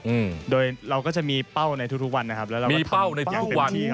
อืมโดยเราก็จะมีเป้าในทุกทุกวันนะครับแล้วเราก็ทำเป้าในทุกวันมีเป้าในทุกวัน